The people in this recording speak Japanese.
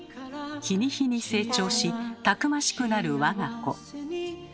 日に日に成長したくましくなる我が子。